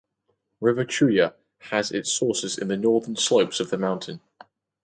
River Chuya has its sources in the northern slopes of the mountain.